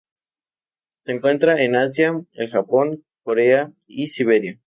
Se encuentran en Asia: el Japón, Corea y Siberia.